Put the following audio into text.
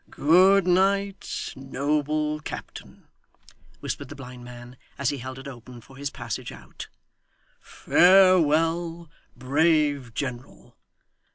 'Good night, noble captain,' whispered the blind man as he held it open for his passage out; 'Farewell, brave general.